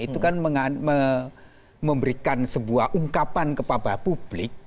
itu kan memberikan sebuah ungkapan kepada publik